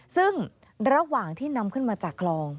ซึ่งระหว่างที่นำขึ้นมาจากคลอง